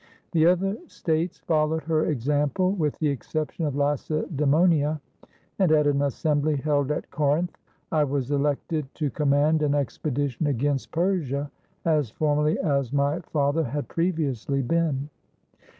The other states followed her example, with the exception of Lacedasmonia ; and at an assembly held at Corinth I was elected to command an expedition against Persia, as formally as my father had previously been.